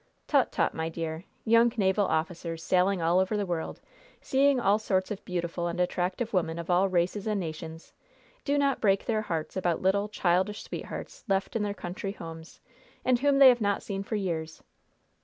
"Tut, tut, my dear! Young naval officers sailing all over the world, seeing all sorts of beautiful and attractive women of all races and nations, do not break their hearts about little, childish sweethearts left in their country homes, and whom they have not seen for years!